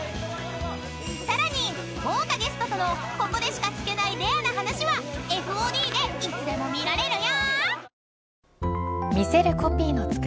［さらに豪華ゲストとのここでしか聞けないレアな話はＦＯＤでいつでも見られるよ］